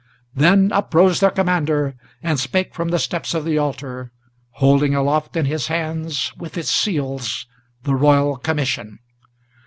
Then uprose their commander, and spake from the steps of the altar, Holding aloft in his hands, with its seals, the royal commission.